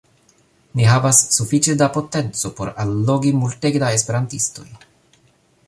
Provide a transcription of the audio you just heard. Ni havas sufiĉe da potenco por allogi multege da esperantistoj